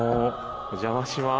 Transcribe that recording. お邪魔します。